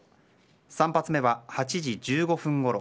３発目は８時１５分ごろ